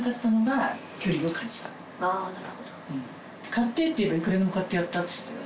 「買ってって言えばいくらでも買ってやった」って言ってたよ。